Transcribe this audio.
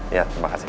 iya terima kasih